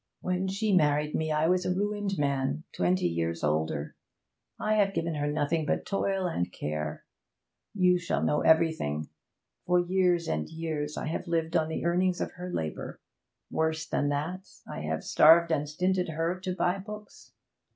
When she married me I was a ruined man twenty years older. I have given her nothing but toil and care. You shall know everything for years and years I have lived on the earnings of her labour. Worse than that, I have starved and stinted her to buy books.